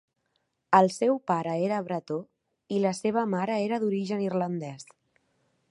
El seu pare era bretó i la seva mare era d'origen irlandès.